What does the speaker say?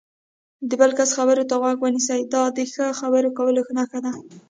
د بل کس خبرو ته غوږ ونیسئ، دا د ښه خبرو کولو نښه ده.